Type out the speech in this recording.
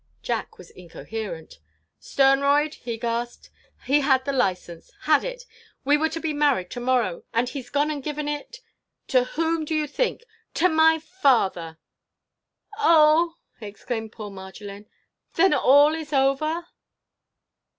Jack was incoherent. "Sternroyd!" he gasped. "He had the licence! Had it! We were to be married to morrow! And he 's gone and given it—to whom do you think?—to my father!" "Oh!" exclaimed poor Marjolaine, "then all is over!"